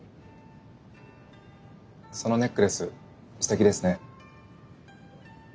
そのネックレスすてきですね。